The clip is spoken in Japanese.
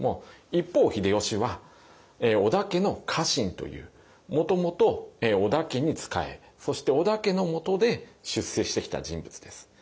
一方秀吉は織田家の家臣というもともと織田家に仕えそして織田家のもとで出世してきた人物です。